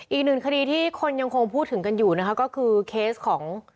อีกหนึ่งคดีที่คนยังคงพูดถึงกันอยู่นะคะก็คือเคสของ